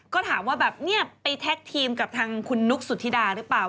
ก็ถามว่าแบบเนี่ยไปแท็กทีมกับทางคุณนุ๊กสุธิดาหรือเปล่า